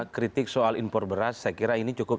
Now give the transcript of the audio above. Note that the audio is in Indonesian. kritik soal impor beras saya kira ini cukup